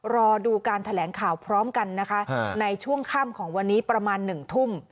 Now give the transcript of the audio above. รอดูการแถลงข่าวพร้อมกันนะคะในช่วงค่ำของวันนี้ประมาณ๑ทุ่ม